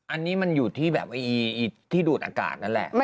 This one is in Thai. อันนี้มันอยู่ที่แบบที่ดูดอากาศนั่นแหละ